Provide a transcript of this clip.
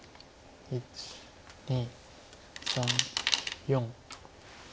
１２３４。